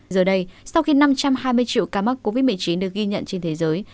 giờ đây sau khi năm trăm hai mươi triệu ca mắc covid một mươi chín được ghi nhận trên thế giới